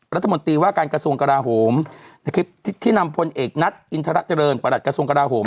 รัฐมนตรีว่าการกระทรวงกราโหมในคลิปที่นำพลเอกนัทอินทรเจริญประหลัดกระทรวงกราโหม